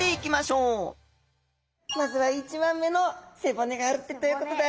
まずは１番目の背骨があるということで。